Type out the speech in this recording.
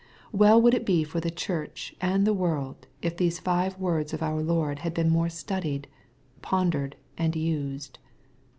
'* Well would it be for the church and the world, if these five words of our Lord had been more studied, pondered, and used